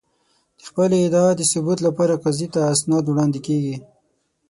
د خپلې ادعا د ثبوت لپاره قاضي ته اسناد وړاندې کېږي.